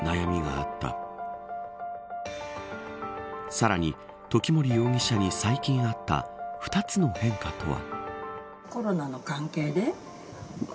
さらに、時森容疑者に最近あった２つの変化とは。